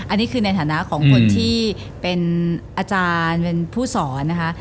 อันนี้คือในฐานะของคนที่เป็นอาจารย์เป็นผู้สอนนะคะ